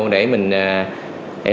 để mình nhận tiền